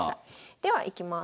ではいきます。